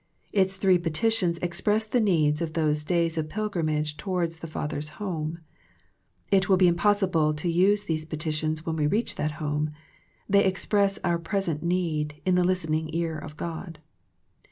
Its three petitions express the needs of these days of pilgrimage towards the Father's home. It will be impossible to use these petitions when we reach that home. They express our present need in the listening ear of God.